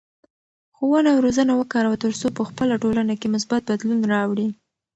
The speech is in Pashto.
ښوونه او روزنه وکاروه ترڅو په خپله ټولنه کې مثبت بدلون راوړې.